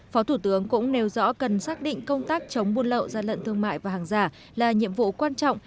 phó thủ tướng cũng nêu rõ cần xác định công tác chống buôn lậu gian lận thương mại và hàng giả là nhiệm vụ quan trọng